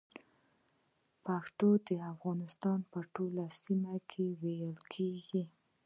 پښتو د افغانستان په ټولو سيمو کې ویل کېږي